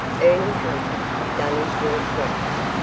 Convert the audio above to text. Ernie Hunter had done his work well.